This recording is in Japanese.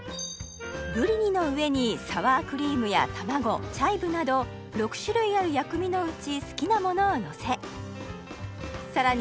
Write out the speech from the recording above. ブリニの上にサワークリームや卵チャイブなど６種類ある薬味のうち好きなものをのせさらに